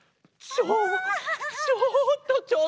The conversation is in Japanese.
ちょちょっとちょっと。